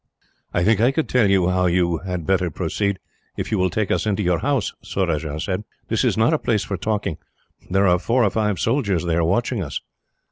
"I think I could tell you how you had better proceed, if you will take us into your house," Surajah said. "This is not a place for talking. There are four or five soldiers there, watching us."